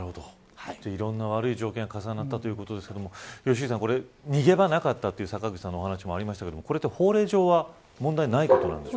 いろんな悪い条件が重なったということですが良幸さん、逃げ場がなかったと坂口さんのお話にありましたがこれは、法令上は問題ないことなんですか。